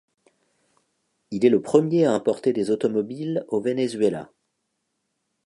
Il est le premier à importer des automobiles au Venezuela.